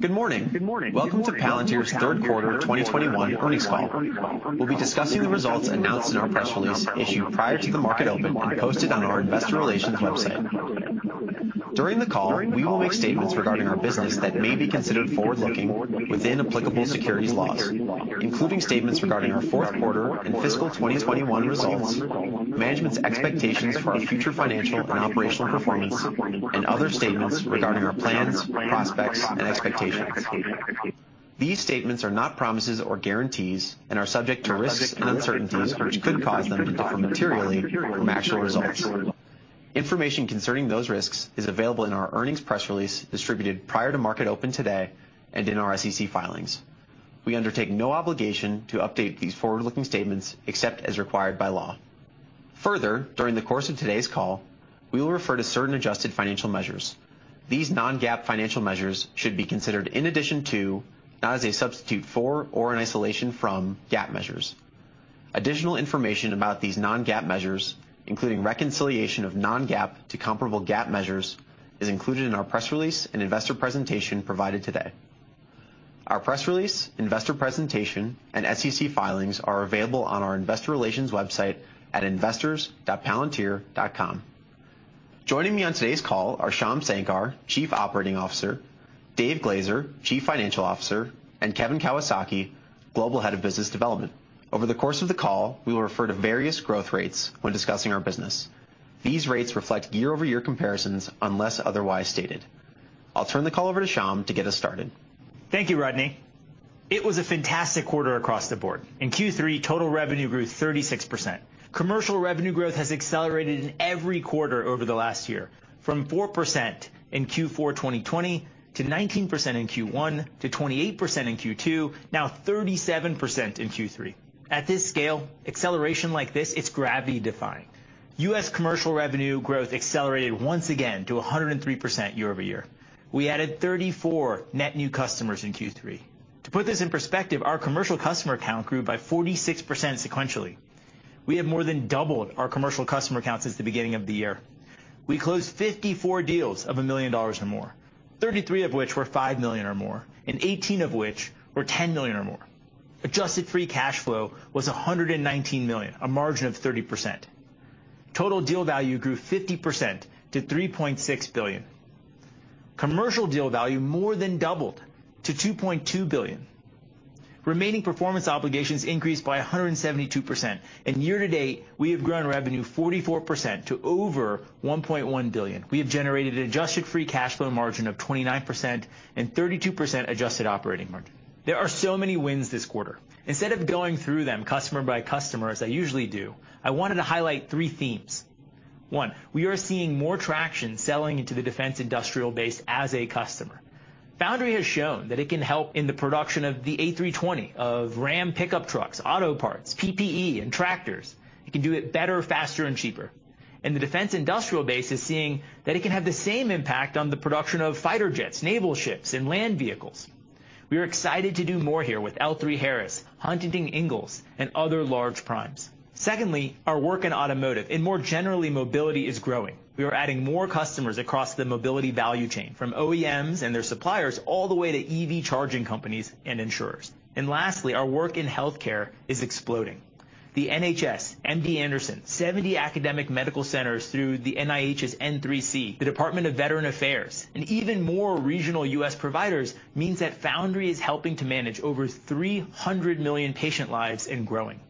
Good morning. Welcome to Palantir's Q3 2021 earnings call. We'll be discussing the results announced in our press release issued prior to the market open and posted on our investor relations website. During the call, we will make statements regarding our business that may be considered forward-looking within applicable securities laws, including statements regarding our Q4 and fiscal 2021 results, management's expectations of our future financial and operational performance, and other statements regarding our plans, prospects, and expectations. These statements are not promises or guarantees and are subject to risks and uncertainties which could cause them to differ materially from actual results. Information concerning those risks is available in our earnings press release distributed prior to market open today and in our SEC filings. We undertake no obligation to update these forward-looking statements except as required by law. Further, during the course of today's call, we will refer to certain adjusted financial measures. These non-GAAP financial measures should be considered in addition to, not as a substitute for or an isolation from GAAP measures. Additional information about these non-GAAP measures, including reconciliation of non-GAAP to comparable GAAP measures, is included in our press release and investor presentation provided today. Our press release, investor presentation, and SEC filings are available on our investor relations website at investors.palantir.com. Joining me on today's call are Shyam Sankar, Chief Operating Officer, Dave Glazer, Chief Financial Officer, and Kevin Kawasaki, Global Head of Business Development. Over the course of the call, we will refer to various growth rates when discussing our business. These rates reflect year-over-year comparisons unless otherwise stated. I'll turn the call over to Shyam to get us started. Thank you, Rodney. It was a fantastic quarter across the board. In Q3, total revenue grew 36%. Commercial revenue growth has accelerated in every quarter over the last year, from 4% in Q4 2020 to 19% in Q1 to 28% in Q2, now 37% in Q3. At this scale, acceleration like this, it's gravity-defying. U.S. commercial revenue growth accelerated once again to 103% year-over-year. We added 34 net new customers in Q3. To put this in perspective, our commercial customer count grew by 46% sequentially. We have more than doubled our commercial customer count since the beginning of the year. We closed 54 deals of $1 million or more, 33 of which were $5 million or more, and 18 of which were $10 million or more. Adjusted free cash flow was $119 million, a margin of 30%. Total deal value grew 50% to $3.6 billion. Commercial deal value more than doubled to $2.2 billion. Remaining performance obligations increased by 172%. Year to date, we have grown revenue 44% to over $1.1 billion. We have generated an adjusted free cash flow margin of 29% and 32% adjusted operating margin. There are so many wins this quarter. Instead of going through them customer by customer as I usually do, I wanted to highlight three themes. One, we are seeing more traction selling into the defense industrial base as a customer. Foundry has shown that it can help in the production of the A320, of Ram pickup trucks, auto parts, PPE, and tractors. It can do it better, faster and cheaper. The defense industrial base is seeing that it can have the same impact on the production of fighter jets, naval ships, and land vehicles. We are excited to do more here with L3Harris, Huntington Ingalls, and other large primes. Secondly, our work in automotive and more generally, mobility is growing. We are adding more customers across the mobility value chain, from OEMs and their suppliers all the way to EV charging companies and insurers. Lastly, our work in healthcare is exploding. The NHS, MD Anderson, 70 academic medical centers through the NIH's N3C, the Department of Veterans Affairs, and even more regional U.S. providers means that Foundry is helping to manage over 300 million patient lives and growing.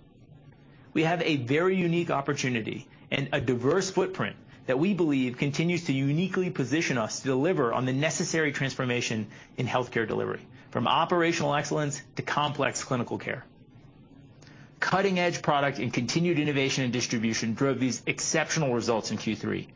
We have a very unique opportunity and a diverse footprint that we believe continues to uniquely position us to deliver on the necessary transformation in healthcare delivery, from operational excellence to complex clinical care. Cutting-edge product and continued innovation and distribution drove these exceptional results in Q3.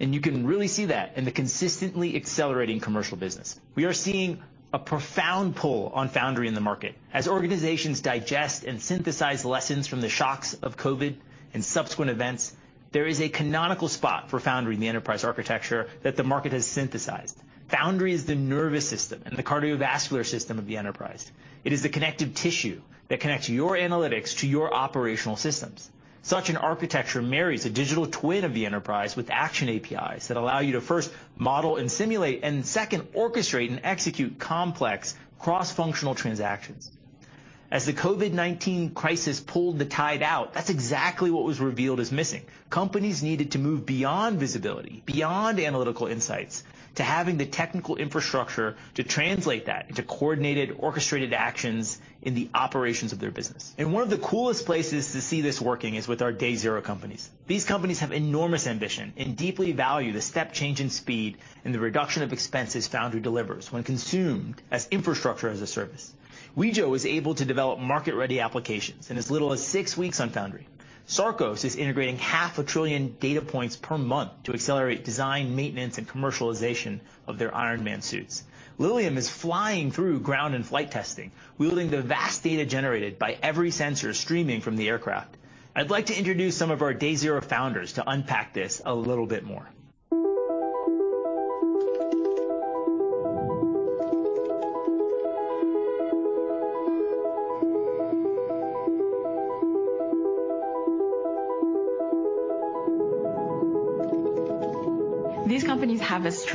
You can really see that in the consistently accelerating commercial business. We are seeing a profound pull on Foundry in the market. As organizations digest and synthesize lessons from the shocks of COVID and subsequent events, there is a canonical spot for Foundry in the enterprise architecture that the market has synthesized. Foundry is the nervous system and the cardiovascular system of the enterprise. It is the connective tissue that connects your analytics to your operational systems. Such an architecture marries a digital twin of the enterprise with action APIs that allow you to first model and simulate, and second, orchestrate and execute complex cross-functional transactions. As the COVID-19 crisis pulled the tide out, that's exactly what was revealed as missing. Companies needed to move beyond visibility, beyond analytical insights, to having the technical infrastructure to translate that into coordinated, orchestrated actions in the operations of their business. One of the coolest places to see this working is with our day zero companies. These companies have enormous ambition and deeply value the step change in speed and the reduction of expenses Foundry delivers when consumed as infrastructure as a service. Wejo was able to develop market-ready applications in as little as six weeks on Foundry. Sarcos is integrating half a trillion data points per month to accelerate design, maintenance, and commercialization of their Iron Man suits. Lilium is flying through ground and flight testing, wielding the vast data generated by every sensor streaming from the aircraft. I'd like to introduce some of our day zero founders to unpack this a little bit more.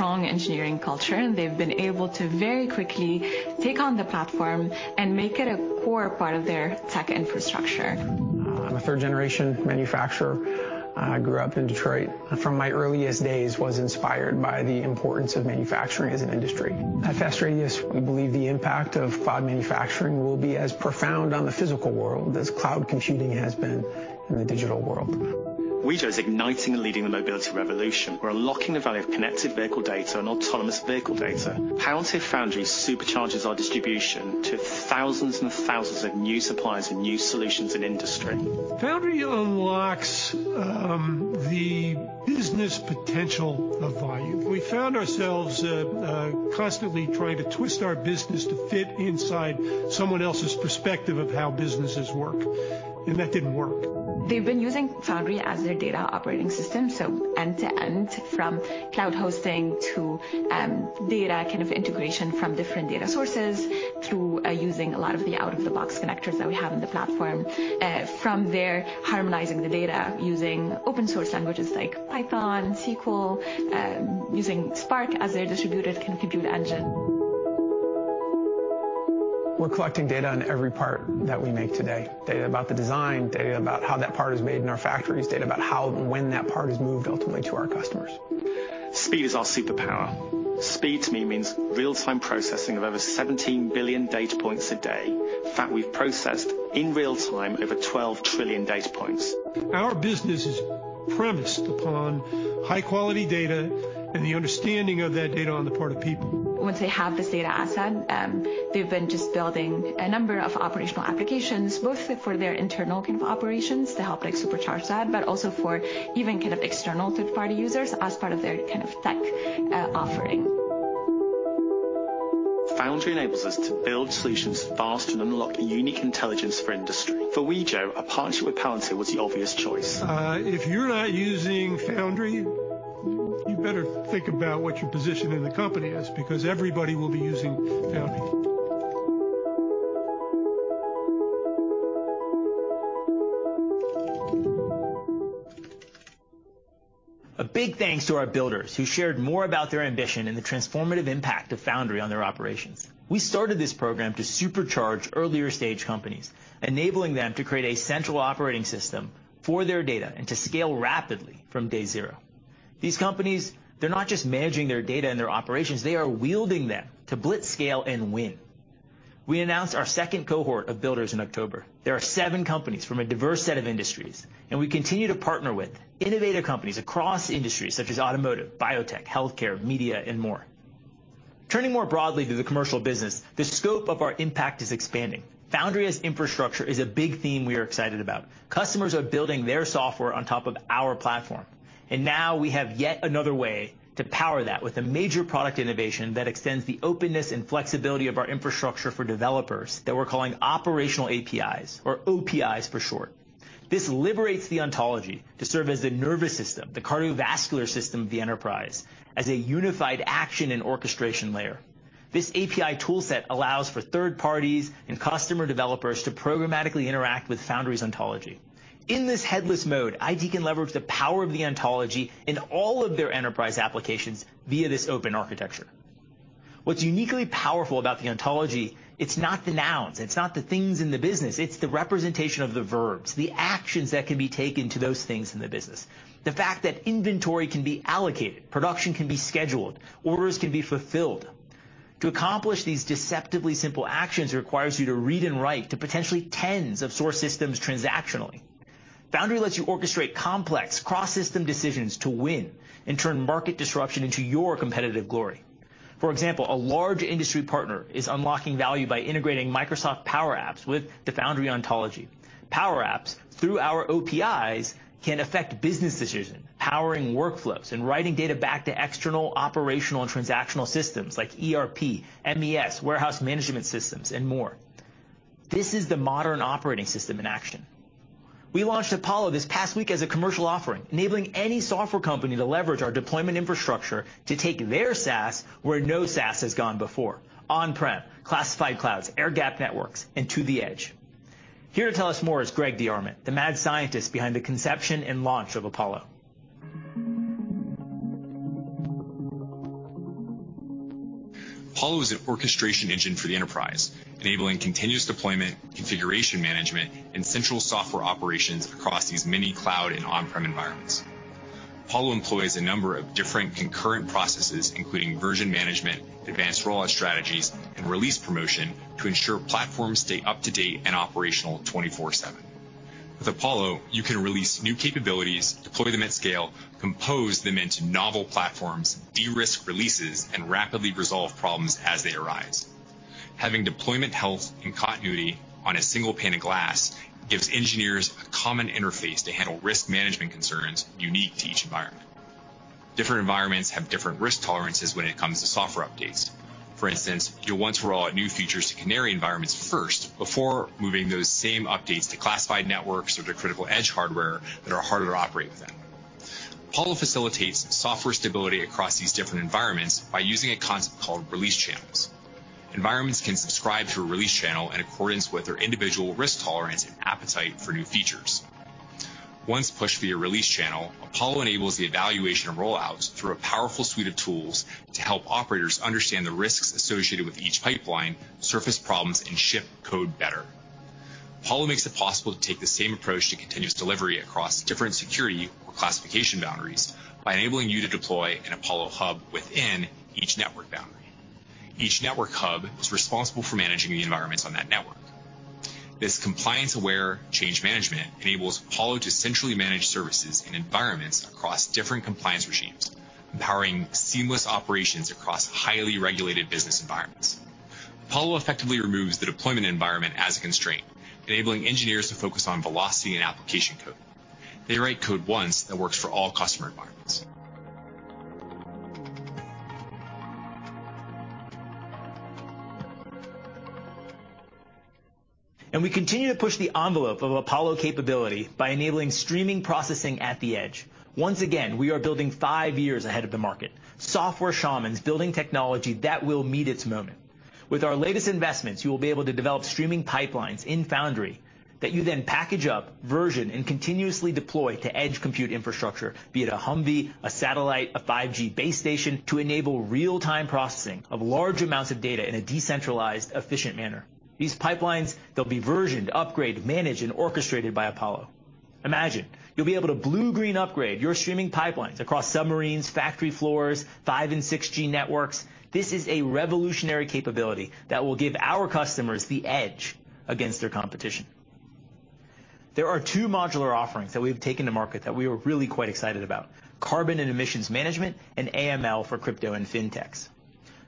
These companies have a strong engineering culture, and they've been able to very quickly take on the platform and make it a core part of their tech infrastructure. I'm a third-generation manufacturer. I grew up in Detroit. From my earliest days, I was inspired by the importance of manufacturing as an industry. At Fast Radius, we believe the impact of cloud manufacturing will be as profound on the physical world as cloud computing has been in the digital world. Wejo is igniting and leading the mobility revolution. We're unlocking the value of connected vehicle data and autonomous vehicle data. Palantir Foundry supercharges our distribution to thousands and thousands of new suppliers and new solutions in industry. Foundry unlocks the business potential of value. We found ourselves constantly trying to twist our business to fit inside someone else's perspective of how businesses work, and that didn't work. They've been using Foundry as their data operating system, so end-to-end from cloud hosting to data kind of integration from different data sources through using a lot of the out-of-the-box connectors that we have in the platform. From there, harmonizing the data using open-source languages like Python, SQL, using Spark as their distributed compute engine. We're collecting data on every part that we make today. Data about the design, data about how that part is made in our factories, data about how and when that part is moved ultimately to our customers. Speed is our superpower. Speed to me means real-time processing of over 17 billion data points a day. In fact, we've processed in real-time over 12 trillion data points. Our business is premised upon high-quality data and the understanding of that data on the part of people. Once they have this data asset, they've been just building a number of operational applications, both for their internal kind of operations to help like supercharge that, but also for even kind of external third-party users as part of their kind of tech offering. Foundry enables us to build solutions fast and unlock a unique intelligence for industry. For Wejo, a partnership with Palantir was the obvious choice. If you're not using Foundry, you better think about what your position in the company is because everybody will be using Foundry. A big thanks to our builders who shared more about their ambition and the transformative impact of Foundry on their operations. We started this program to supercharge earlier-stage companies, enabling them to create a central operating system for their data and to scale rapidly from day zero. These companies, they're not just managing their data and their operations, they are wielding them to blitz, scale, and win. We announced our second cohort of builders in October. There are seven companies from a diverse set of industries, and we continue to partner with innovative companies across industries such as automotive, biotech, healthcare, media, and more. Turning more broadly to the commercial business, the scope of our impact is expanding. Foundry as infrastructure is a big theme we are excited about. Customers are building their software on top of our platform, and now we have yet another way to power that with a major product innovation that extends the openness and flexibility of our infrastructure for developers that we're calling operational APIs or OPIs for short. This liberates the ontology to serve as the nervous system, the cardiovascular system of the enterprise as a unified action and orchestration layer. This API toolset allows for third parties and customer developers to programmatically interact with Foundry's ontology. In this headless mode, IT can leverage the power of the ontology in all of their enterprise applications via this open architecture. What's uniquely powerful about the ontology, it's not the nouns, it's not the things in the business, it's the representation of the verbs, the actions that can be taken to those things in the business. The fact that inventory can be allocated, production can be scheduled, orders can be fulfilled. To accomplish these deceptively simple actions requires you to read and write to potentially tens of source systems transactionally. Foundry lets you orchestrate complex cross-system decisions to win and turn market disruption into your competitive glory. For example, a large industry partner is unlocking value by integrating Microsoft Power Apps with the Foundry ontology. Power Apps, through our OPIs, can affect business decisions, powering workflows, and writing data back to external operational and transactional systems like ERP, MES, warehouse management systems, and more. This is the modern operating system in action. We launched Apollo this past week as a commercial offering, enabling any software company to leverage our deployment infrastructure to take their SaaS where no SaaS has gone before, on-prem, classified clouds, air-gapped networks, and to the edge. Here to tell us more is Greg DeArment, the mad scientist behind the conception and launch of Apollo. Apollo is an orchestration engine for the enterprise, enabling continuous deployment, configuration management, and central software operations across these many cloud and on-prem environments. Apollo employs a number of different concurrent processes, including version management, advanced rollout strategies, and release promotion to ensure platforms stay up-to-date and operational 24/7. With Apollo, you can release new capabilities, deploy them at scale, compose them into novel platforms, de-risk releases, and rapidly resolve problems as they arise. Having deployment health and continuity on a single pane of glass gives engineers a common interface to handle risk management concerns unique to each environment. Different environments have different risk tolerances when it comes to software updates. For instance, you'll want to roll out new features to canary environments first before moving those same updates to classified networks or to critical edge hardware that are harder to operate within. Apollo facilitates software stability across these different environments by using a concept called release channels. Environments can subscribe to a release channel in accordance with their individual risk tolerance and appetite for new features. Once pushed via release channel, Apollo enables the evaluation and roll-out through a powerful suite of tools to help operators understand the risks associated with each pipeline, surface problems, and ship code better. Apollo makes it possible to take the same approach to continuous delivery across different security or classification boundaries by enabling you to deploy an Apollo hub within each network boundary. Each network hub is responsible for managing the environments on that network. This compliance-aware change management enables Apollo to centrally manage services and environments across different compliance regimes, empowering seamless operations across highly regulated business environments. Apollo effectively removes the deployment environment as a constraint, enabling engineers to focus on velocity and application code. They write code once that works for all customer environments. We continue to push the envelope of Apollo capability by enabling streaming processing at the edge. Once again, we are building five years ahead of the market. Software shamans building technology that will meet its moment. With our latest investments, you will be able to develop streaming pipelines in Foundry that you then package up, version, and continuously deploy to edge compute infrastructure, be it a Humvee, a satellite, a 5G base station to enable real-time processing of large amounts of data in a decentralized, efficient manner. These pipelines, they'll be versioned, upgraded, managed, and orchestrated by Apollo. Imagine you'll be able to blue-green upgrade your streaming pipelines across submarines, factory floors, 5- and 6G networks. This is a revolutionary capability that will give our customers the edge against their competition. There are two modular offerings that we've taken to market that we are really quite excited about. Carbon and emissions management and AML for crypto and fintechs.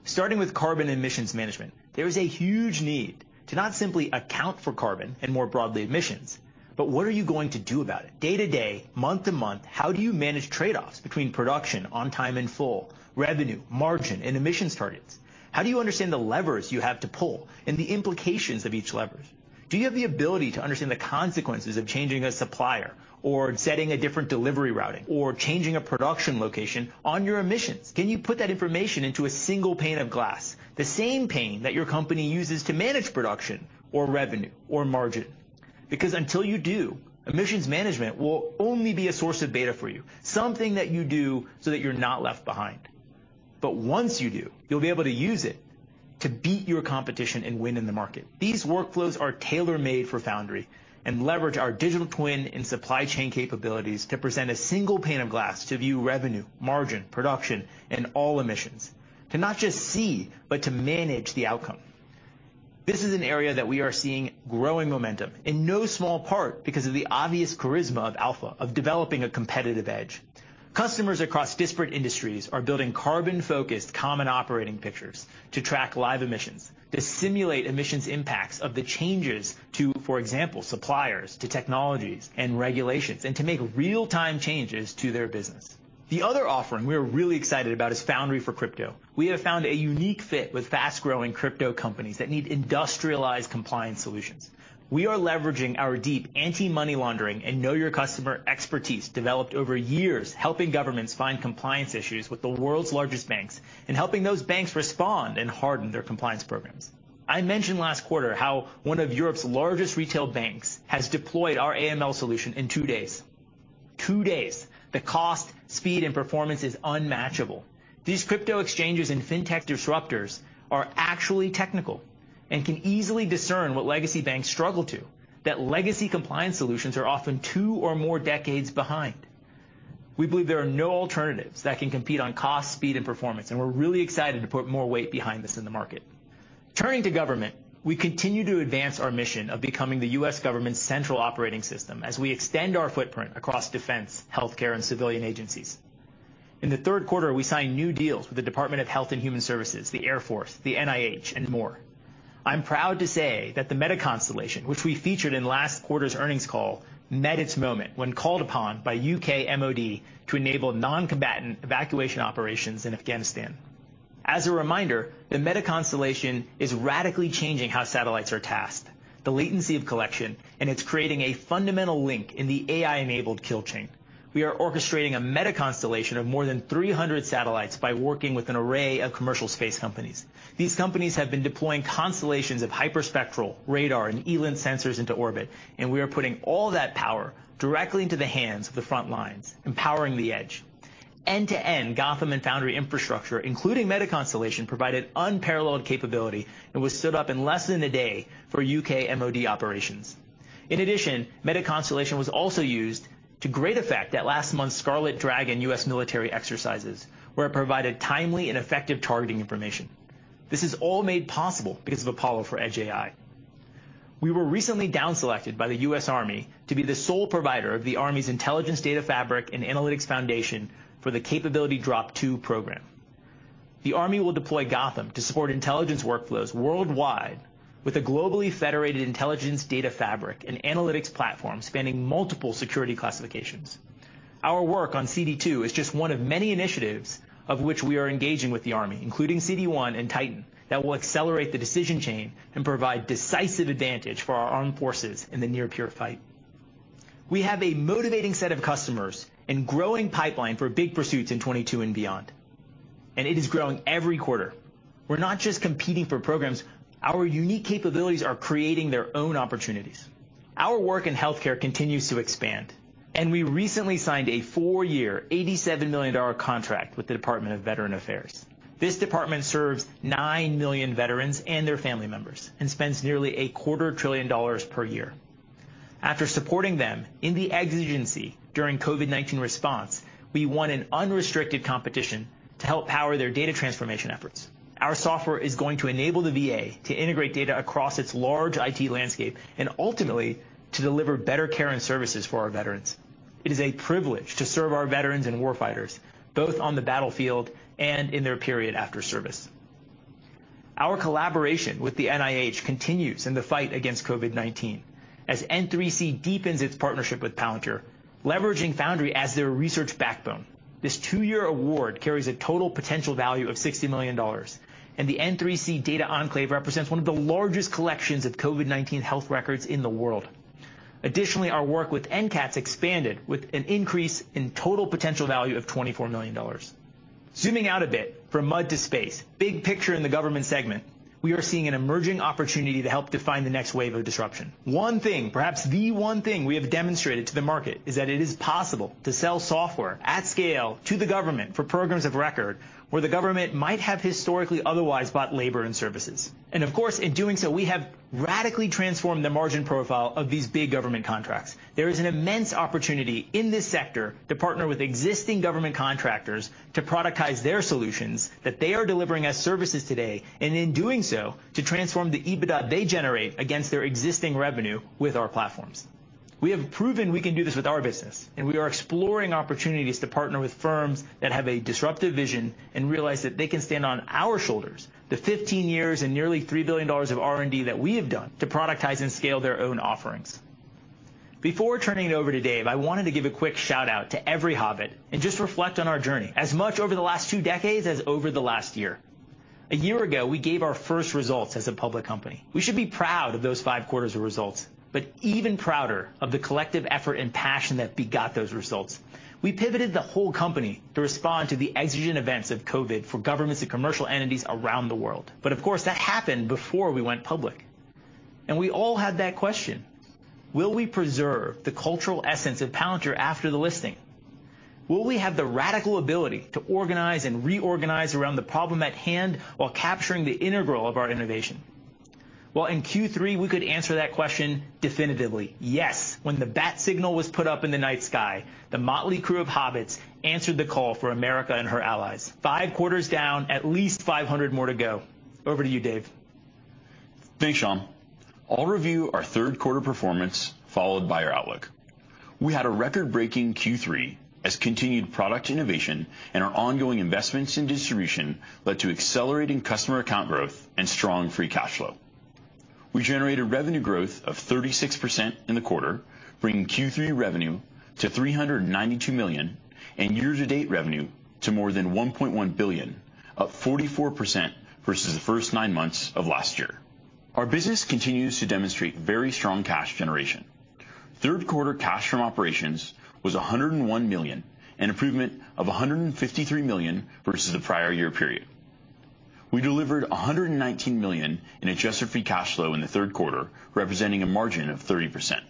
Starting with carbon emissions management, there is a huge need to not simply account for carbon and more broadly emissions, but what are you going to do about it? Day to day, month to month, how do you manage trade-offs between production on time and full, revenue, margin, and emissions targets? How do you understand the levers you have to pull and the implications of each leverage? Do you have the ability to understand the consequences of changing a supplier or setting a different delivery routing or changing a production location on your emissions? Can you put that information into a single pane of glass, the same pane that your company uses to manage production or revenue or margin? Because until you do, emissions management will only be a source of data for you, something that you do so that you're not left behind. Once you do, you'll be able to use it to beat your competition and win in the market. These workflows are tailor-made for Foundry and leverage our digital twin and supply chain capabilities to present a single pane of glass to view revenue, margin, production, and all emissions. To not just see, but to manage the outcome. This is an area that we are seeing growing momentum in no small part because of the obvious charisma of alpha, of developing a competitive edge. Customers across disparate industries are building carbon-focused common operating pictures to track live emissions, to simulate emissions impacts of the changes to, for example, suppliers, to technologies and regulations, and to make real-time changes to their business. The other offering we are really excited about is Foundry for Crypto. We have found a unique fit with fast-growing crypto companies that need industrialized compliance solutions. We are leveraging our deep anti-money laundering and know your customer expertise developed over years, helping governments find compliance issues with the world's largest banks and helping those banks respond and harden their compliance programs. I mentioned last quarter how one of Europe's largest retail banks has deployed our AML solution in two days. Two days. The cost, speed, and performance is unmatchable. These crypto exchanges and fintech disruptors are actually technical and can easily discern what legacy banks struggle to. That legacy compliance solutions are often two or more decades behind. We believe there are no alternatives that can compete on cost, speed, and performance, and we're really excited to put more weight behind this in the market. Turning to government, we continue to advance our mission of becoming the U.S. government's central operating system as we extend our footprint across defense, healthcare, and civilian agencies. In the Q3, we signed new deals with the Department of Health and Human Services, the Air Force, the NIH, and more. I'm proud to say that the MetaConstellation, which we featured in last quarter's earnings call, met its moment when called upon by UK MOD to enable non-combatant evacuation operations in Afghanistan. As a reminder, the MetaConstellation is radically changing how satellites are tasked, the latency of collection, and it's creating a fundamental link in the AI-enabled kill chain. We are orchestrating a MetaConstellation of more than 300 satellites by working with an array of commercial space companies. These companies have been deploying constellations of hyperspectral radar and ELINT sensors into orbit, and we are putting all that power directly into the hands of the front lines, empowering the edge. End-to-end Gotham and Foundry infrastructure, including MetaConstellation, provided unparalleled capability and was stood up in less than a day for UK MOD operations. In addition, MetaConstellation was also used to great effect at last month's Scarlet Dragon U.S. military exercises, where it provided timely and effective targeting information. This is all made possible because of Apollo for Edge AI. We were recently down selected by the U.S. Army to be the sole provider of the Army's intelligence data fabric and analytics foundation for the Capability Drop 2 program. The Army will deploy Gotham to support intelligence workflows worldwide with a globally federated intelligence data fabric and analytics platform spanning multiple security classifications. Our work on CD2 is just one of many initiatives of which we are engaging with the Army, including CD1 and TITAN, that will accelerate the decision chain and provide decisive advantage for our armed forces in the near-peer fight. We have a motivating set of customers and growing pipeline for big pursuits in 2022 and beyond, and it is growing every quarter. We're not just competing for programs. Our unique capabilities are creating their own opportunities. Our work in healthcare continues to expand, and we recently signed a 4-year, $87 million contract with the Department of Veterans Affairs. This department serves 9 million veterans and their family members and spends nearly a quarter trillion dollars per year. After supporting them in the exigency during COVID-19 response, we won an unrestricted competition to help power their data transformation efforts. Our software is going to enable the VA to integrate data across its large IT landscape and ultimately to deliver better care and services for our veterans. It is a privilege to serve our veterans and war fighters, both on the battlefield and in their period after service. Our collaboration with the NIH continues in the fight against COVID-19 as N3C deepens its partnership with Palantir, leveraging Foundry as their research backbone. This two-year award carries a total potential value of $60 million, and the N3C data enclave represents one of the largest collections of COVID-19 health records in the world. Additionally, our work with NCATS expanded with an increase in total potential value of $24 million. Zooming out a bit from mud to space, big picture in the Government segment, we are seeing an emerging opportunity to help define the next wave of disruption. One thing, perhaps the one thing we have demonstrated to the market, is that it is possible to sell software at scale to the government for programs of record, where the government might have historically otherwise bought labor and services. Of course, in doing so, we have radically transformed the margin profile of these big government contracts. There is an immense opportunity in this sector to partner with existing government contractors to productize their solutions that they are delivering as services today, and in doing so, to transform the EBITDA they generate against their existing revenue with our platforms. We have proven we can do this with our business, and we are exploring opportunities to partner with firms that have a disruptive vision and realize that they can stand on our shoulders, the 15 years and nearly $3 billion of R&D that we have done to productize and scale their own offerings. Before turning it over to Dave, I wanted to give a quick shout-out to every hobbit and just reflect on our journey as much over the last two decades as over the last year. A year ago, we gave our first results as a public company. We should be proud of those five quarters of results, but even prouder of the collective effort and passion that begot those results. We pivoted the whole company to respond to the exigent events of COVID for governments and commercial entities around the world. Of course, that happened before we went public. We all had that question: Will we preserve the cultural essence of Palantir after the listing? Will we have the radical ability to organize and reorganize around the problem at hand while capturing the integral of our innovation? Well, in Q3, we could answer that question definitively. Yes, when the bat signal was put up in the night sky, the motley crew of hobbits answered the call for America and her allies. 5 quarters down, at least 500 more to go. Over to you, Dave. Thanks, Shyam. I'll review our Q3 performance, followed by our outlook. We had a record-breaking Q3 as continued product innovation and our ongoing investments in distribution led to accelerating customer account growth and strong free cash flow. We generated revenue growth of 36% in the quarter, bringing Q3 revenue to $392 million and year-to-date revenue to more than $1.1 billion, up 44% versus the first nine months of last year. Our business continues to demonstrate very strong cash generation. Q3 cash from operations was $101 million, an improvement of $153 million versus the prior year period. We delivered $119 million in adjusted free cash flow in the Q3, representing a margin of 30%.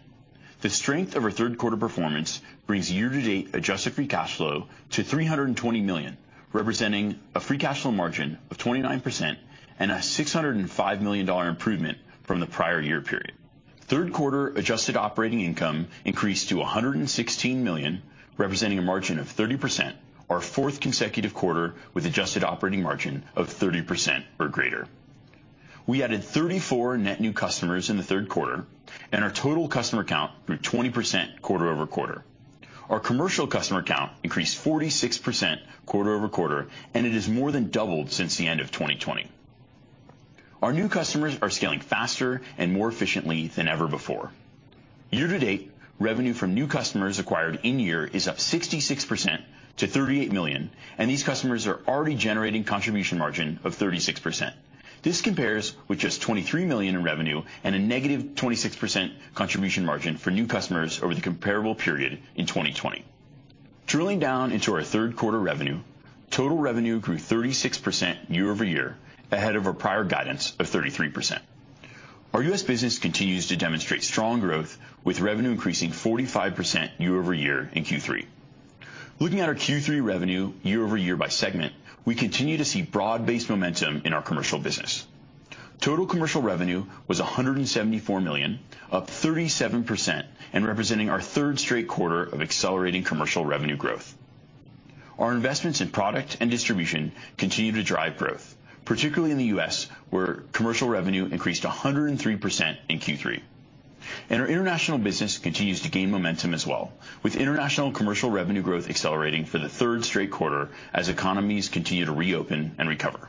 The strength of our Q3 performance brings year-to-date adjusted free cash flow to $320 million, representing a free cash flow margin of 29% and a $605 million improvement from the prior year period. Q3 adjusted operating income increased to $116 million, representing a margin of 30%. Our fourth consecutive quarter with adjusted operating margin of 30% or greater. We added 34 net new customers in the Q3 and our total customer count grew 20% quarter-over-quarter. Our commercial customer count increased 46% quarter-over-quarter, and it has more than doubled since the end of 2020. Our new customers are scaling faster and more efficiently than ever before. Year to date, revenue from new customers acquired in year is up 66% to $38 million, and these customers are already generating contribution margin of 36%. This compares with just $23 million in revenue and a -26% contribution margin for new customers over the comparable period in 2020. Drilling down into our Q3 revenue, total revenue grew 36% year-over-year, ahead of our prior guidance of 33%. Our US business continues to demonstrate strong growth with revenue increasing 45% year-over-year in Q3. Looking at our Q3 revenue year-over-year by segment, we continue to see broad-based momentum in our commercial business. Total commercial revenue was $174 million, up 37% and representing our third straight quarter of accelerating commercial revenue growth. Our investments in product and distribution continue to drive growth, particularly in the U.S., where commercial revenue increased 103% in Q3. Our international business continues to gain momentum as well, with international commercial revenue growth accelerating for the third straight quarter as economies continue to reopen and recover.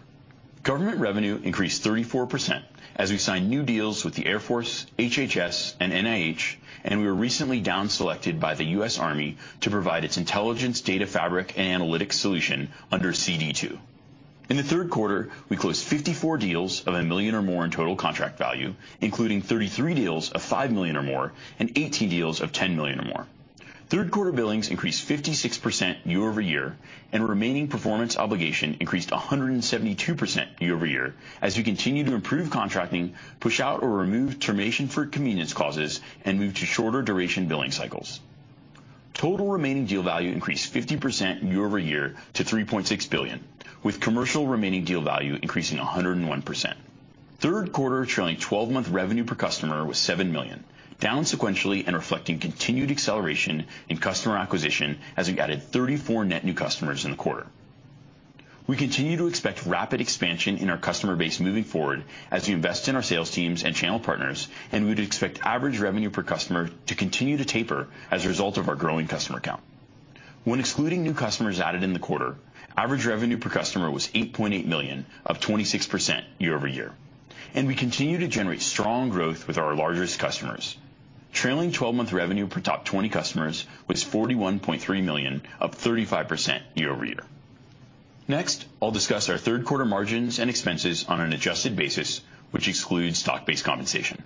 Government revenue increased 34% as we signed new deals with the Air Force, HHS, and NIH, and we were recently down selected by the U.S. Army to provide its intelligence data fabric and analytics solution under CD2. In the Q3, we closed 54 deals of $1 million or more in total contract value, including 33 deals of $5 million or more and 18 deals of $10 million or more. Q3 billings increased 56% year-over-year, and remaining performance obligation increased 172% year-over-year as we continue to improve contracting, push out or remove termination for convenience clauses, and move to shorter duration billing cycles. Total remaining deal value increased 50% year-over-year to $3.6 billion, with commercial remaining deal value increasing 101%. Q3 trailing twelve-month revenue per customer was $7 million, down sequentially and reflecting continued acceleration in customer acquisition as we added 34 net new customers in the quarter. We continue to expect rapid expansion in our customer base moving forward as we invest in our sales teams and channel partners, and we'd expect average revenue per customer to continue to taper as a result of our growing customer count. When excluding new customers added in the quarter, average revenue per customer was $8.8 million, up 26% year-over-year. We continue to generate strong growth with our largest customers. Trailing 12-month revenue per top 20 customers was $41.3 million, up 35% year-over-year. Next, I'll discuss our Q3 margins and expenses on an adjusted basis, which excludes stock-based compensation.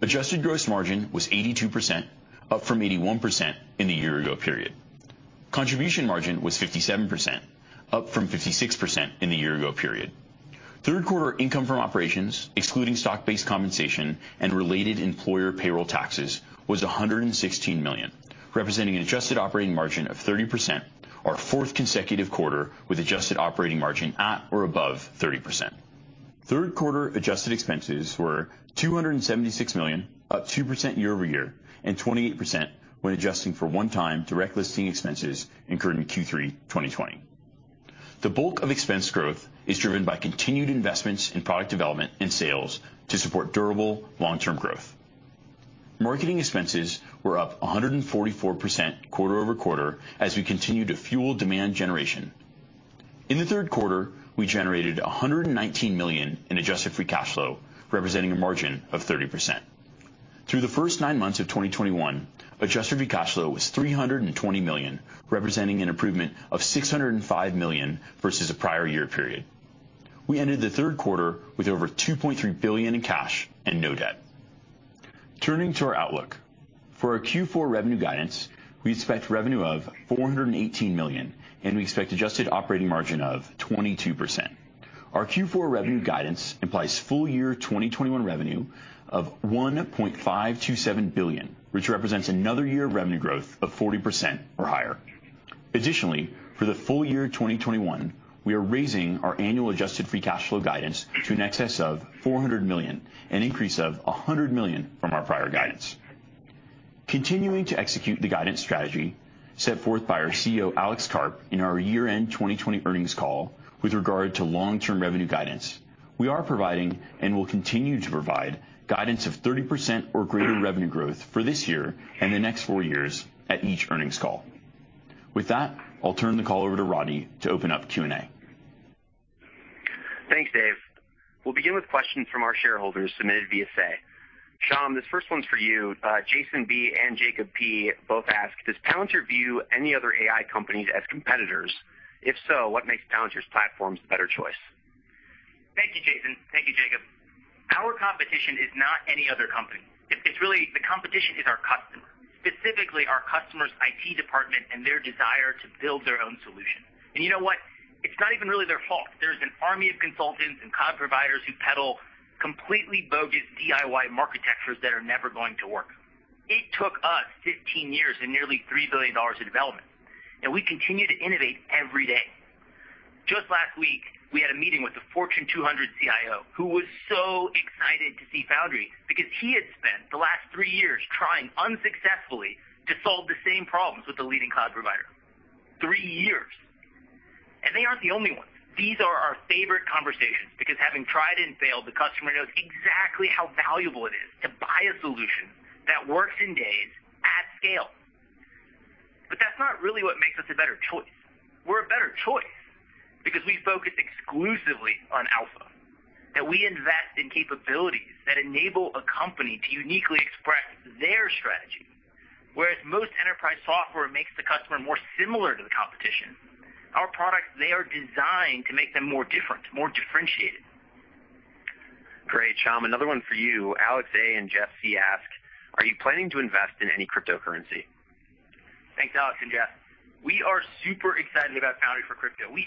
Adjusted gross margin was 82%, up from 81% in the year ago period. Contribution margin was 57%, up from 56% in the year ago period. Q3 income from operations, excluding stock-based compensation and related employer payroll taxes, was $116 million, representing an adjusted operating margin of 30%. Our fourth consecutive quarter with adjusted operating margin at or above 30%. Q3 adjusted expenses were $276 million, up 2% year-over-year, and 28% when adjusting for one-time direct listing expenses incurred in Q3 2020. The bulk of expense growth is driven by continued investments in product development and sales to support durable long-term growth. Marketing expenses were up 144% quarter-over-quarter as we continue to fuel demand generation. In the Q3, we generated $119 million in adjusted free cash flow, representing a margin of 30%. Through the first nine months of 2021, adjusted free cash flow was $320 million, representing an improvement of $605 million versus the prior year period. We ended the Q3 with over $2.3 billion in cash and no debt. Turning to our outlook. For our Q4 revenue guidance, we expect revenue of $418 million, and we expect adjusted operating margin of 22%. Our Q4 revenue guidance implies full year 2021 revenue of $1.527 billion, which represents another year of revenue growth of 40% or higher. Additionally, for the full year 2021, we are raising our annual adjusted free cash flow guidance to an excess of $400 million, an increase of $100 million from our prior guidance. Continuing to execute the guidance strategy set forth by our CEO, Alex Karp, in our year-end 2020 earnings call with regard to long-term revenue guidance, we are providing and will continue to provide guidance of 30% or greater revenue growth for this year and the next four years at each earnings call. With that, I'll turn the call over to Rodney to open up Q&A. Thanks, Dave. We'll begin with questions from our shareholders submitted via Say. Shyam, this first one's for you. Jason B and Jacob P both ask, "Does Palantir view any other AI companies as competitors? If so, what makes Palantir's platforms the better choice? Thank you, Jason. Thank you, Jacob. Our competition is not any other company. It's really the competition is our customer, specifically our customer's IT department and their desire to build their own solution. You know what? It's not even really their fault. There's an army of consultants and cloud providers who peddle completely bogus DIY marketectures that are never going to work. It took us 15 years and nearly $3 billion in development, and we continue to innovate every day. Just last week, we had a meeting with a Fortune 200 CIO who was so excited to see Foundry because he had spent the last 3 years trying unsuccessfully to solve the same problems with the leading cloud provider. 3 years. They aren't the only ones. These are our favorite conversations because having tried and failed, the customer knows exactly how valuable it is to buy a solution that works in days at scale. That's not really what makes us a better choice. We're a better choice because we focus exclusively on alpha, that we invest in capabilities that enable a company to uniquely express their strategy. Whereas most enterprise software makes the customer more similar to the competition, our products, they are designed to make them more different, more differentiated. Great. Shyam, another one for you. Alex A. and Jeff C. ask, "Are you planning to invest in any cryptocurrency? Thanks, Alex and Jeff. We are super excited about Foundry for Crypto. We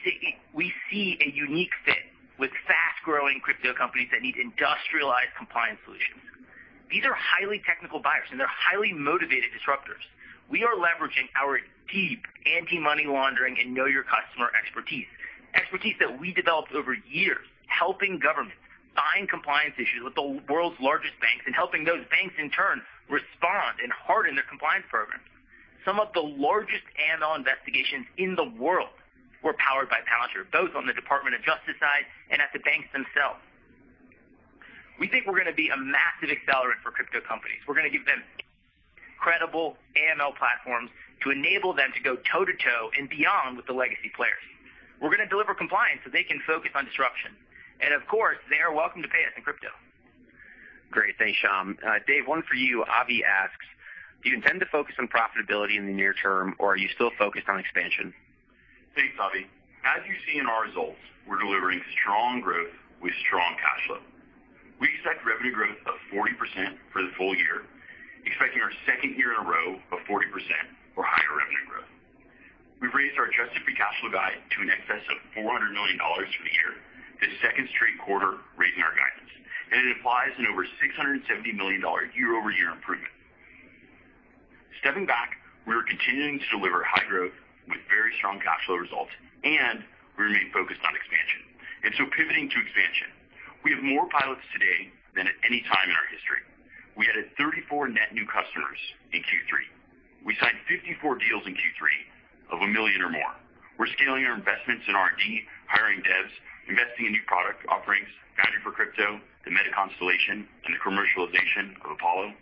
see a unique fit with fast-growing crypto companies that need industrialized compliance solutions. These are highly technical buyers, and they're highly motivated disruptors. We are leveraging our deep anti-money laundering and know your customer expertise that we developed over years helping governments solve compliance issues with the world's largest banks and helping those banks in turn respond and harden their compliance programs. Some of the largest AML investigations in the world were powered by Palantir, both on the Department of Justice side and at the banks themselves. We think we're gonna be a massive accelerant for crypto companies. We're gonna give them incredible AML platforms to enable them to go toe-to-toe and beyond with the legacy players. We are gonna deliver compliance so they can focus on disruption, and of course, they are welcome to pay us in crypto. Great. Thanks, Shyam. Dave, one for you. Avi asks, "Do you intend to focus on profitability in the near term, or are you still focused on expansion? Thanks, Avi. As you see in our results, we're delivering strong growth with strong cash flow. We expect revenue growth of 40% for the full year, expecting our second year in a row of 40% or higher revenue growth. We've raised our adjusted free cash flow guide to in excess of $400 million for the year, the second straight quarter raising our guidance, and that's an over $670 million year-over-year improvement. Stepping back, we are continuing to deliver high growth with very strong cash flow results, and we remain focused on expansion. Pivoting to expansion. We have more pilots today than at any time in our history. We added 34 net new customers in Q3. We signed 54 deals in Q3 of $1 million or more. We're scaling our investments in R&D, hiring devs, investing in new product offerings, Foundry for Crypto, the MetaConstellation, and the commercialization of Apollo.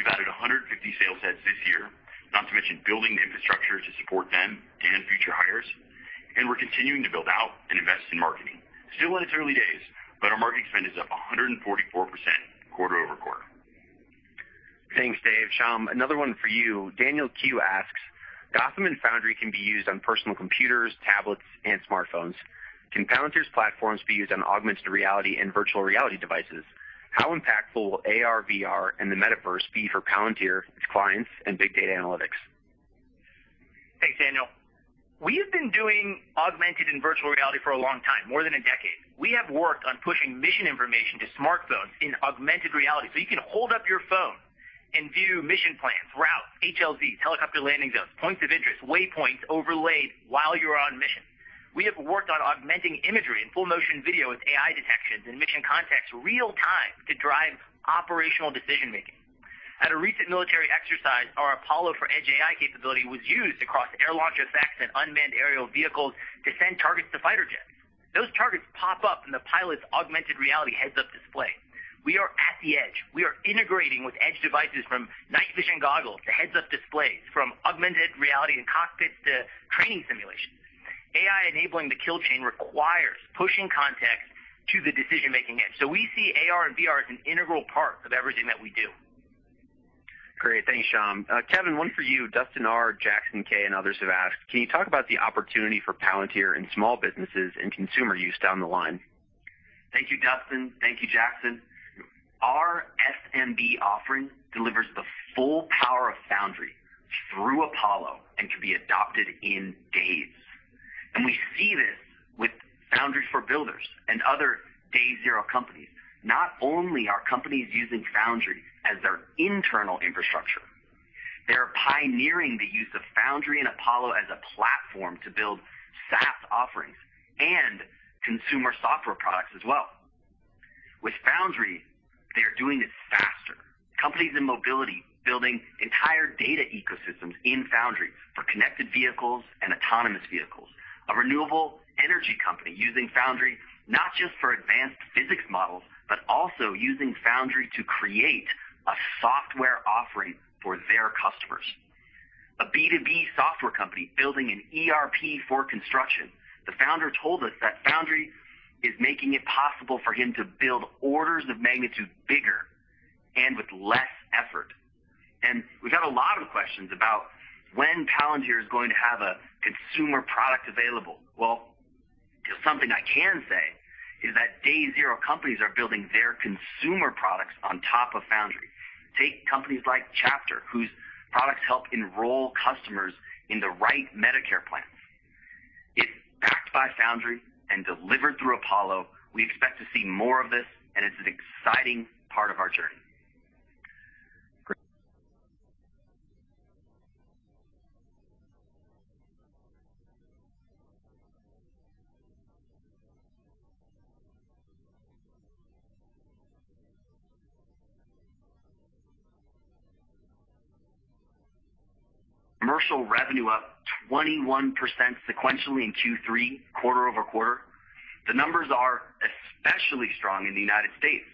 We've added 150 sales heads this year, not to mention building the infrastructure to support them and future hires. We're continuing to build out and invest in marketing. Still in its early days, but our marketing spend is up 144% quarter-over-quarter. Thanks, Dave. Shyam, another one for you. Daniel Q asks, "Gotham and Foundry can be used on personal computers, tablets, and smartphones. Can Palantir's platforms be used on augmented reality and virtual reality devices? How impactful will AR, VR, and the Metaverse be for Palantir, its clients and big data analytics? Thanks, Daniel. We have been doing augmented and virtual reality for a long time, more than a decade. We have worked on pushing mission information to smartphones in augmented reality. You can hold up your phone and view mission plans, routes, HLZs, helicopter landing zones, points of interest, waypoints overlaid while you are on mission. We have worked on augmenting imagery and full motion video with AI detections and mission context real-time to drive operational decision-making. At a recent military exercise, our Apollo for Edge AI capability was used across air launcher effects and unmanned aerial vehicles to send targets to fighter jets. Those targets pop up in the pilot's augmented reality heads-up display. We are at the edge. We are integrating with edge devices from night vision goggles to heads-up displays, from augmented reality and cockpits to training simulations. AI enabling the kill chain requires pushing context to the decision-making edge. We see AR and VR as an integral part of everything that we do. Great. Thanks, Shyam. Kevin, one for you. Dustin R, Jackson K, and others have asked, "Can you talk about the opportunity for Palantir in small businesses and consumer use down the line? Thank you, Dustin. Thank you, Jackson. Our SMB offering delivers the full power of Foundry through Apollo and can be adopted in days. We see this with Foundry for Builders and other day zero companies. Not only are companies using Foundry as their internal infrastructure, they are pioneering the use of Foundry and Apollo as a platform to build SaaS offerings and consumer software products as well. With Foundry, they are doing it faster, companies in mobility building entire data ecosystems in Foundry for connected vehicles and autonomous vehicles. A renewable energy company using Foundry not just for advanced physics models, but also using Foundry to create a software offering for their customers. A B2B software company building an ERP for construction. The founder told us that Foundry is making it possible for him to build orders of magnitude bigger and with less effort. We've had a lot of questions about when Palantir is going to have a consumer product available. Well, something I can say is that day zero companies are building their consumer products on top of Foundry. Take companies like Chapter, whose products help enroll customers in the right Medicare plans. If backed by Foundry and delivered through Apollo, we expect to see more of this, and it's an exciting part of our journey. Great. Commercial revenue up 21% sequentially in Q3, quarter-over-quarter. The numbers are especially strong in the United States,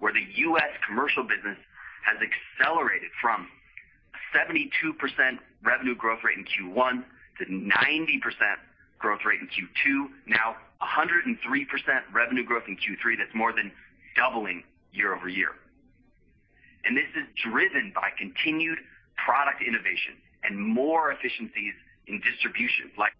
where the U.S. commercial business has accelerated from 72% revenue growth rate in Q1 to 90% growth rate in Q2, now 103% revenue growth in Q3. That's more than doubling year-over-year. This is driven by continued product innovation and more efficiencies in distribution like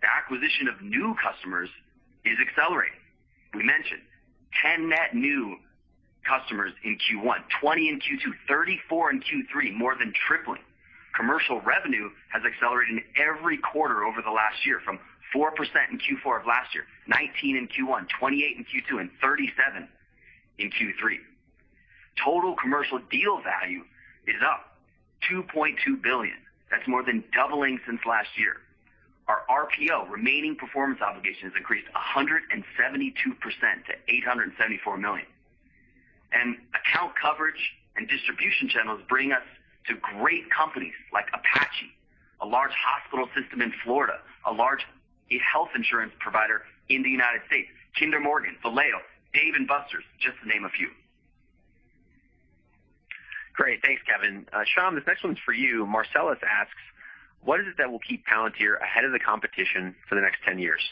the acquisition of new customers is accelerating. We mentioned 10 net new customers in Q1, 20 in Q2, 34 in Q3, more than tripling. Commercial revenue has accelerated every quarter over the last year from 4% in Q4 of last year, 19% in Q1, 28% in Q2, and 37% in Q3. Total commercial deal value is up $2.2 billion. That's more than doubling since last year. Our RPO, Remaining Performance Obligations, increased 172% to $874 million. Account coverage and distribution channels bring us to great companies like Apollo. A large hospital system in Florida, a large health insurance provider in the United States, Kinder Morgan, Valeo, Dave & Buster's, just to name a few. Great. Thanks, Kevin. Shyam, this next one's for you. Marcellus asks, "What is it that will keep Palantir ahead of the competition for the next 10 years?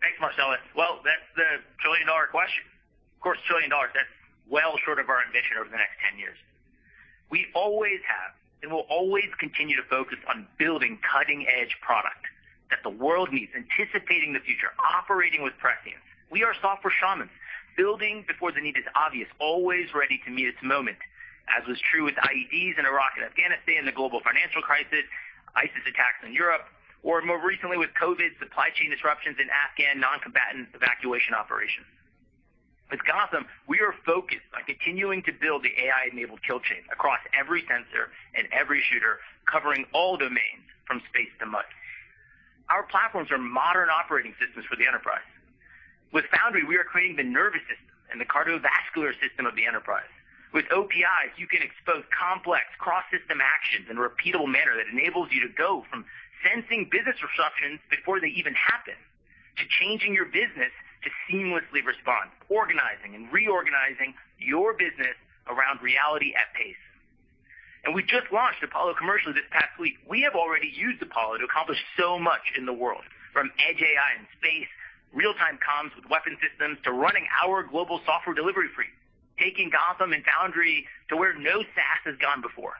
Thanks, Marcellus. Well, that's the trillion-dollar question. Of course, $1 trillion, that's well short of our ambition over the next 10 years. We always have and will always continue to focus on building cutting-edge product that the world needs, anticipating the future, operating with prescience. We are software shamans, building before the need is obvious, always ready to meet its moment, as was true with IEDs in Iraq and Afghanistan, the global financial crisis, ISIS attacks in Europe, or more recently with COVID, supply chain disruptions in Afghan non-combatant evacuation operations. With Gotham, we are focused on continuing to build the AI-enabled kill chain across every sensor and every shooter, covering all domains from space to mud. Our platforms are modern operating systems for the enterprise. With Foundry, we are creating the nervous system and the cardiovascular system of the enterprise. With OPIs, you can expose complex cross-system actions in a repeatable manner that enables you to go from sensing business disruptions before they even happen to changing your business to seamlessly respond, organizing and reorganizing your business around reality at pace. We just launched Apollo Commercial this past week. We have already used Apollo to accomplish so much in the world, from edge AI in space, real-time comms with weapon systems, to running our global software delivery for you, taking Gotham and Foundry to where no SaaS has gone before.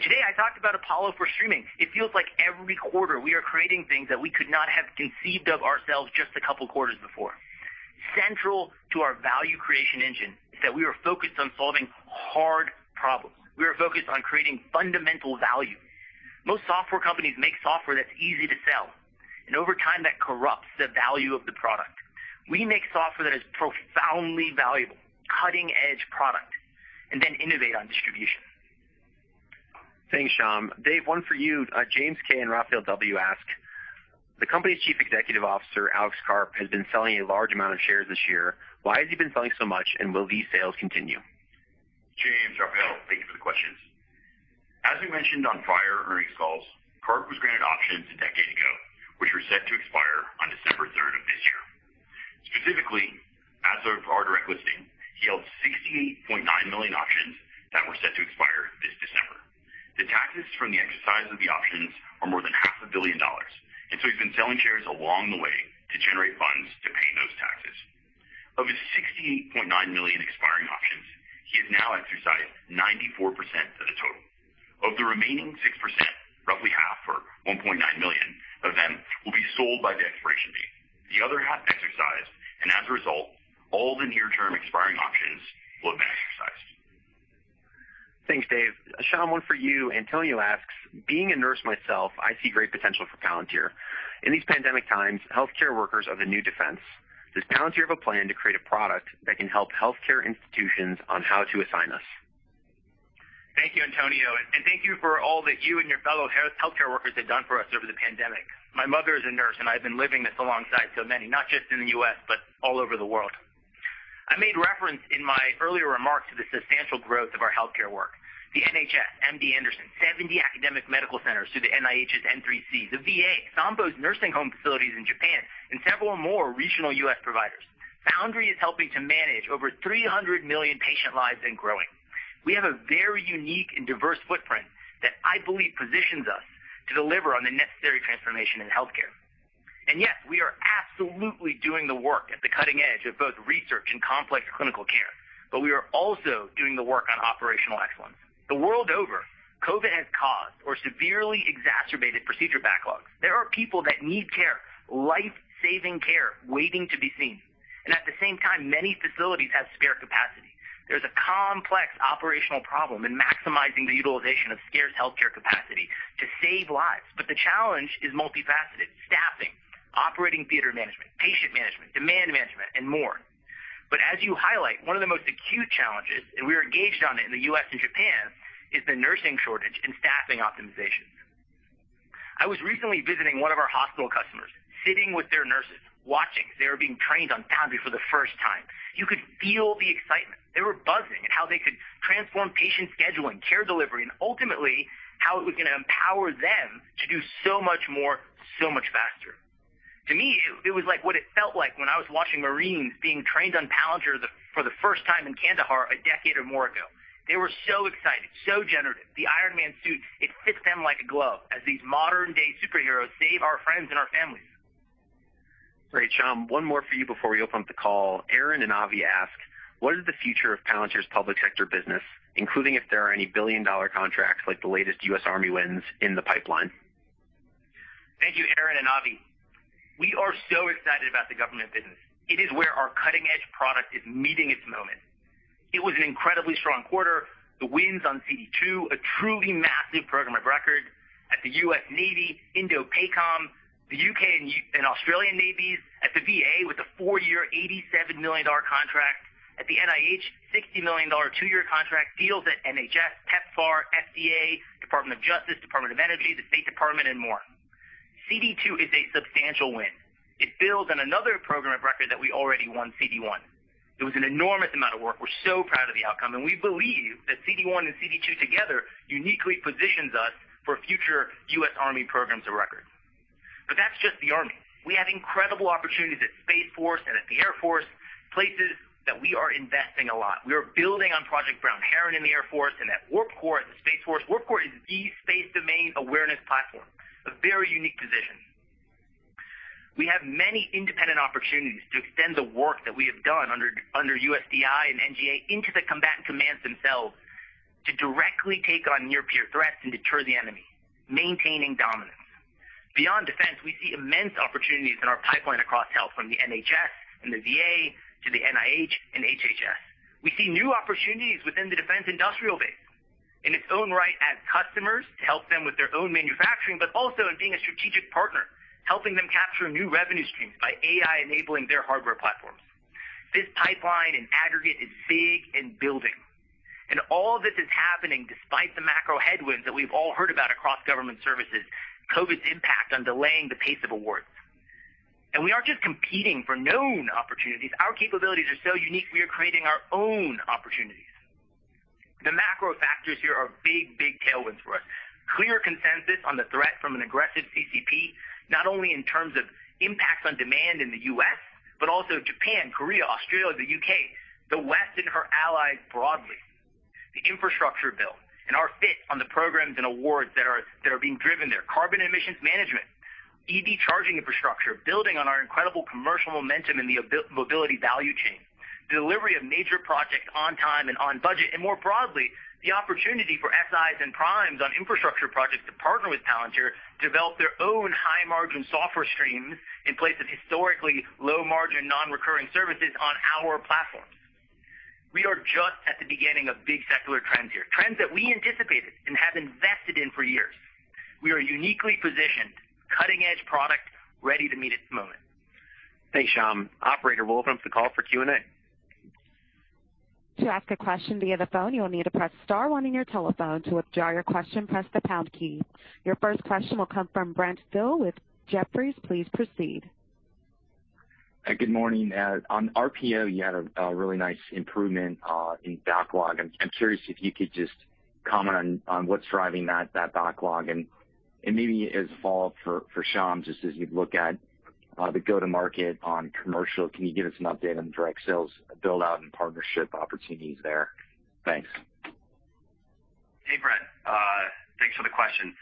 Today, I talked about Apollo for streaming. It feels like every quarter we are creating things that we could not have conceived of ourselves just a couple of quarters before. Central to our value creation engine is that we are focused on solving hard problems. We are focused on creating fundamental value. Most software companies make software that's easy to sell, and over time, that corrupts the value of the product. We make software that is profoundly valuable, cutting-edge product, and then innovate on distribution. Thanks, Shyam. Dave, one for you. James K. and Rafael W. ask, "The company's Chief Executive Officer, Alex Karp, has been selling a large amount of shares this year. Why has he been selling so much, and will these sales continue? James, Rafael, thank you for the questions. As we mentioned on prior earnings calls, Karp was granted options a decade ago, which were set to expire on December third of this year. Specifically, as of our direct listing, he held 68.9 million options that were set to expire this December. The taxes from the exercise of the options are more than half a billion dollars, and so he's been selling shares along the way to generate funds to pay those taxes. Of his 68.9 million expiring options, he has now exercised 94% of the total. Of the remaining 6%, roughly half or 1.9 million of them will be sold by the expiration date. The other half exercised, and as a result, all the near-term expiring options will have been exercised. Thanks, Dave. Shyam, one for you. Antonio asks, "Being a nurse myself, I see great potential for Palantir. In these pandemic times, healthcare workers are the new defense. Does Palantir have a plan to create a product that can help healthcare institutions on how to assign us? Thank you, Antonio, and thank you for all that you and your fellow healthcare workers have done for us over the pandemic. My mother is a nurse, and I've been living this alongside so many, not just in the U.S., but all over the world. I made reference in my earlier remarks to the substantial growth of our healthcare work. The NHS, MD Anderson, 70 academic medical centers through the NIH's N3C, the VA, Sompo's nursing home facilities in Japan, and several more regional U.S. providers. Foundry is helping to manage over 300 million patient lives and growing. We have a very unique and diverse footprint that I believe positions us to deliver on the necessary transformation in healthcare. Yes, we are absolutely doing the work at the cutting edge of both research and complex clinical care, but we are also doing the work on operational excellence. The world over, COVID has caused or severely exacerbated procedure backlogs. There are people that need care, life-saving care, waiting to be seen. At the same time, many facilities have spare capacity. There's a complex operational problem in maximizing the utilization of scarce healthcare capacity to save lives. The challenge is multifaceted. Staffing, operating theater management, patient management, demand management, and more. As you highlight, one of the most acute challenges, and we are engaged on it in the U.S. and Japan, is the nursing shortage and staffing optimization. I was recently visiting one of our hospital customers, sitting with their nurses, watching as they were being trained on Foundry for the first time. You could feel the excitement. They were buzzing at how they could transform patient scheduling, care delivery, and ultimately, how it was gonna empower them to do so much more, so much faster. To me, it was like what it felt like when I was watching Marines being trained on Palantir for the first time in Kandahar a decade or more ago. They were so excited, so generative. The Iron Man suit, it fits them like a glove as these modern-day superheroes save our friends and our families. Great. Shyam, one more for you before we open up the call. Aaron and Avi ask, "What is the future of Palantir's public sector business, including if there are any billion-dollar contracts like the latest U.S. Army wins in the pipeline? Thank you, Aaron and Avi. We are so excited about the government business. It is where our cutting-edge product is meeting its moment. It was an incredibly strong quarter. The wins on CD-2, a truly massive program of record at the U.S. Navy, INDOPACOM, the U.K. and US and Australian Navies, at the VA with a 4-year, $87 million contract, at the NIH, $60 million 2-year contract, deals at NHS, PEPFAR, FDA, Department of Justice, Department of Energy, the State Department, and more. CD-2 is a substantial win. It builds on another program of record that we already won, CD-1. It was an enormous amount of work. We're so proud of the outcome, and we believe that CD-1 and CD-2 together uniquely positions us for future U.S. Army programs of record. That's just the Army. We have incredible opportunities at Space Force and at the Air Force, places that we are investing a lot. We are building on Project Brown Heron in the Air Force and at Warp Core at the Space Force. Warp Core is the space domain awareness platform, a very unique position. We have many independent opportunities to extend the work that we have done under USDI and NGA into the combatant commands themselves to directly take on near-peer threats and deter the enemy, maintaining dominance. Beyond defense, we see immense opportunities in our pipeline across health from the NHS and the VA to the NIH and HHS. We see new opportunities within the defense industrial base in its own right as customers to help them with their own manufacturing, but also in being a strategic partner, helping them capture new revenue streams by AI enabling their hardware platforms. This pipeline in aggregate is big and building, and all of this is happening despite the macro headwinds that we've all heard about across government services, COVID's impact on delaying the pace of awards. We aren't just competing for known opportunities. Our capabilities are so unique, we are creating our own opportunities. The macro factors here are big, big tailwinds for us. Clear consensus on the threat from an aggressive CCP, not only in terms of impacts on demand in the U.S., but also Japan, Korea, Australia, the U.K., the West, and her allies broadly. The infrastructure bill and our fit on the programs and awards that are being driven there. Carbon emissions management, EV charging infrastructure, building on our incredible commercial momentum in the mobility value chain, delivery of major projects on time and on budget, and more broadly, the opportunity for SIs and primes on infrastructure projects to partner with Palantir, develop their own high-margin software streams in place of historically low-margin, non-recurring services on our platforms. We are just at the beginning of big secular trends here, trends that we anticipated and have invested in for years. We are uniquely positioned, cutting-edge product ready to meet its moment. Thanks, Shyam. Operator, we'll open up the call for Q&A. To ask a question via the phone, you will need to press star one on your telephone. To withdraw your question, press the pound key. Your first question will come from Brent Thill with Jefferies. Please proceed. Good morning. On RPO, you had a really nice improvement in backlog. I'm curious if you could just comment on what's driving that backlog. Maybe as a follow-up for Shyam, just as you look at the go-to-market on commercial, can you give us an update on direct sales build-out and partnership opportunities there? Thanks. Hey, Brent. Thanks for the question.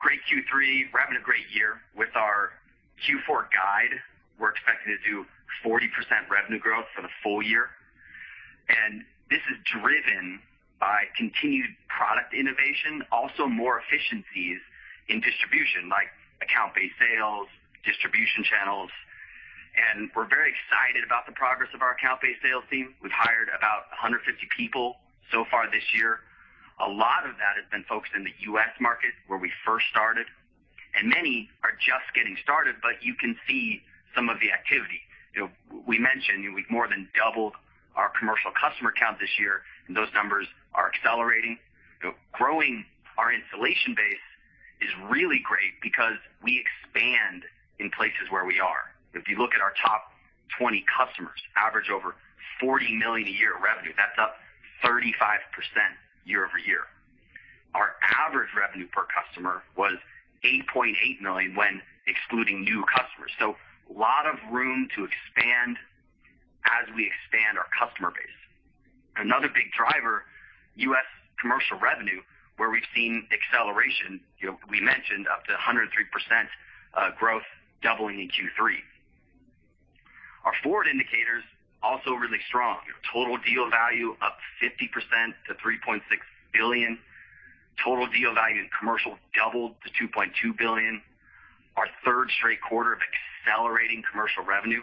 Great Q3. We're having a great year. With our Q4 guide, we're expecting to do 40% revenue growth for the full year. This is driven by continued product innovation, also more efficiencies in distribution, like account-based sales, distribution channels. We're very excited about the progress of our account-based sales team. We've hired about 150 people so far this year. A lot of that has been focused in the U.S. market, where we first started, and many are just getting started, but you can see some of the activity. You know, we mentioned, you know, we've more than doubled our commercial customer count this year, and those numbers are accelerating. You know, growing our installation base is really great because we expand in places where we are. If you look at our top 20 customers, average over $40 million a year revenue. That's up 35% year-over-year. Our average revenue per customer was $8.8 million when excluding new customers. A lot of room to expand as we expand our customer base. Another big driver, U.S. commercial revenue, where we've seen acceleration, you know, we mentioned up to 103%, growth doubling in Q3. Our forward indicators also really strong. Total deal value up 50% to $3.6 billion. Total deal value in commercial doubled to $2.2 billion. Our third straight quarter of accelerating commercial revenue.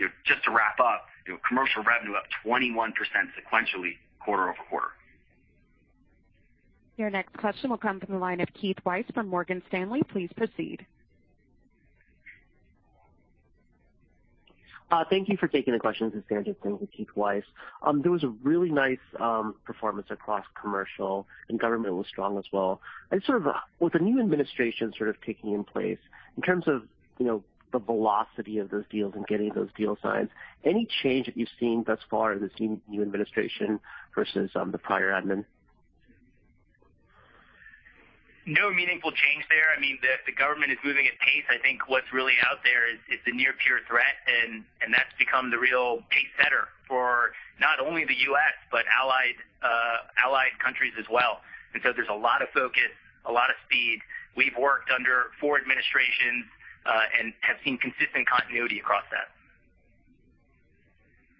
You know, just to wrap up, you know, commercial revenue up 21% sequentially quarter-over-quarter. Your next question will come from the line of Keith Weiss from Morgan Stanley. Please proceed. Thank you for taking the questions. This is Dan Jensen with Keith Weiss. There was a really nice performance across commercial, and government was strong as well. Sort of with the new administration sort of taking in place, in terms of, you know, the velocity of those deals and getting those deals signed, any change that you've seen thus far in this new administration versus the prior admin? No meaningful change there. I mean, the government is moving at pace. I think what's really out there is the near-peer threat, and that's become the real pace setter for not only the U.S., but allied countries as well, because there's a lot of focus, a lot of speed. We've worked under four administrations and have seen consistent continuity across that.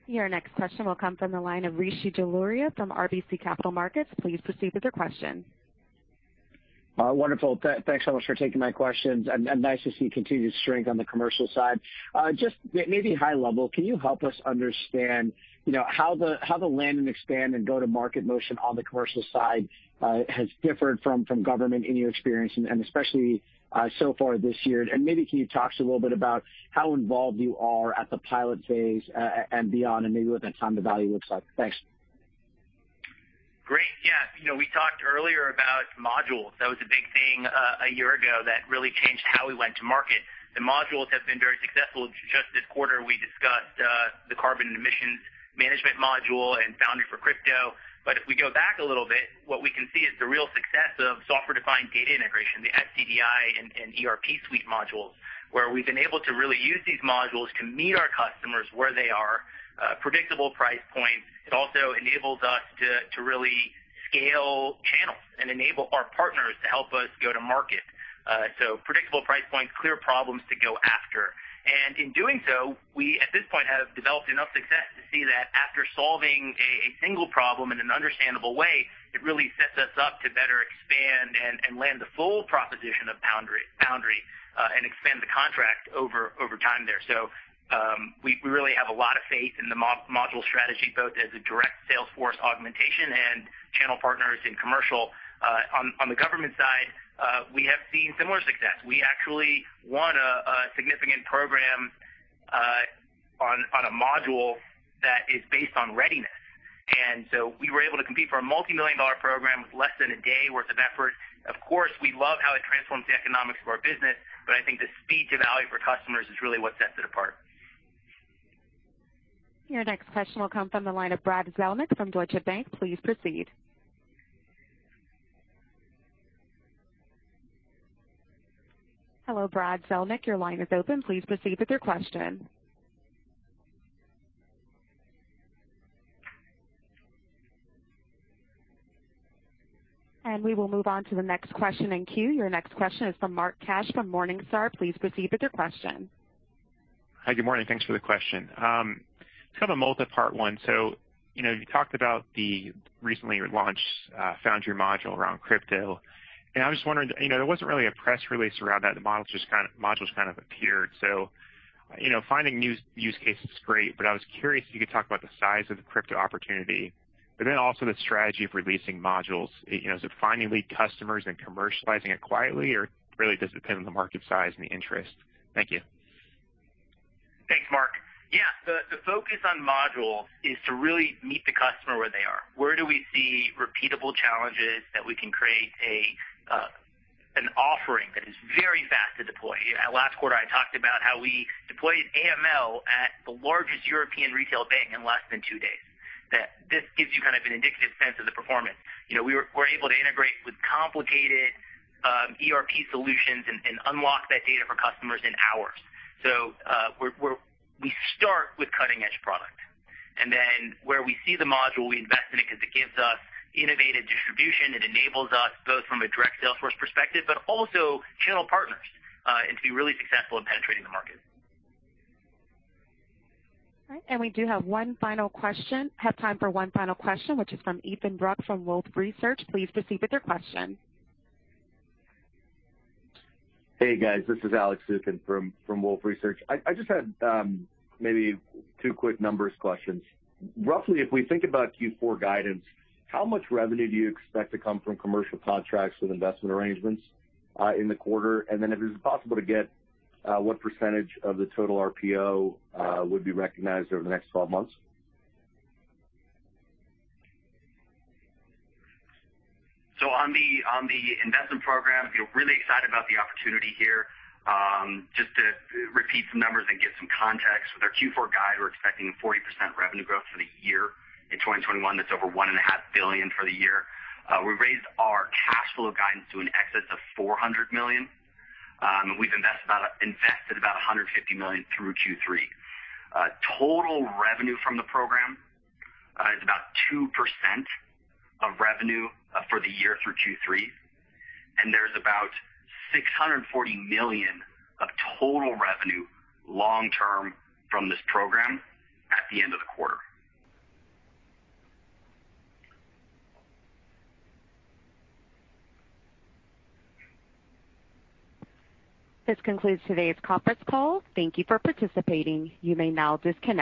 Your next question will come from the line of Rishi Jaluria from RBC Capital Markets. Please proceed with your question. Wonderful. Thanks so much for taking my questions, and nice to see continued strength on the commercial side. Just maybe high level, can you help us understand, you know, how the land and expand and go-to-market motion on the commercial side has differed from government in your experience, and especially so far this year? Maybe can you talk to us a little bit about how involved you are at the pilot phase and beyond, and maybe what that time to value looks like? Thanks. Great. Yeah. You know, we talked earlier about modules. That was a big thing a year ago that really changed how we went to market. The modules have been very successful. Just this quarter, we discussed the carbon emissions management module and Foundry for Crypto. If we go back a little bit, what we can see is the real success of software-defined data integration, the SDDI and ERP suite modules, where we've been able to really use these modules to meet our customers where they are, predictable price point. It also enables us to to really scale channels and enable our partners to help us go to market. Predictable price points, clear problems to go after. In doing so, we at this point have developed enough success to see that after solving a single problem in an understandable way, it really sets us up to better expand and land the full proposition of Foundry and expand the contract over time there. We really have a lot of faith in the module strategy, both as a direct sales force augmentation and channel partners in commercial. On the government side, we have seen similar success. We actually won a significant program on a module that is based on readiness. We were able to compete for a $multi-million-dollar program with less than a day worth of effort. Of course, we love how it transforms the economics of our business, but I think the speed to value for customers is really what sets it apart. Your next question will come from the line of Brad Zelnick from Deutsche Bank. Please proceed. Hello, Brad Zelnick, your line is open. Please proceed with your question. We will move on to the next question in queue. Your next question is from Mark Cash from Morningstar. Please proceed with your question. Hi, good morning. Thanks for the question. It's kind of a multipart one. You know, you talked about the recently launched Foundry module around crypto, and I was just wondering, you know, there wasn't really a press release around that. The modules kind of appeared. You know, finding use case is great, but I was curious if you could talk about the size of the crypto opportunity, but then also the strategy of releasing modules. You know, is it finding lead customers and commercializing it quietly or really does it depend on the market size and the interest? Thank you. Thanks, Mark. Yeah. The focus on modules is to really meet the customer where they are. Where do we see repeatable challenges that we can create an offering that is very fast to deploy? Last quarter, I talked about how we deployed AML at the largest European retail bank in less than two days, that this gives you kind of an indicative sense of the performance. You know, we're able to integrate with complicated ERP solutions and unlock that data for customers in hours. So, we start with cutting-edge product, and then where we see the module, we invest in it 'cause it gives us innovative distribution. It enables us both from a direct sales force perspective, but also channel partners, and to be really successful in penetrating the market. All right. We have time for one final question, which is from Alex Zukin from Wolfe Research. Please proceed with your question. Hey, guys, this is Alex Zukin from Wolfe Research. I just had maybe two quick numbers questions. Roughly, if we think about Q4 guidance, how much revenue do you expect to come from commercial contracts with investment arrangements in the quarter? And then if it's possible to get what percentage of the total RPO would be recognized over the next twelve months? On the investment program, we feel really excited about the opportunity here. Just to repeat some numbers and give some context. With our Q4 guide, we're expecting 40% revenue growth for the year. In 2021, that's over $1.5 billion for the year. We've raised our cash flow guidance to in excess of $400 million. We've invested about $150 million through Q3. Total revenue from the program is about 2% of revenue for the year through Q3, and there's about $640 million of total revenue long term from this program at the end of the quarter. This concludes today's conference call. Thank you for participating. You may now disconnect.